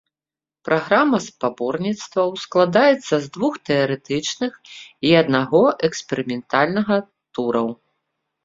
Праграма спаборніцтваў складаецца з двух тэарэтычных і аднаго эксперыментальнага тураў.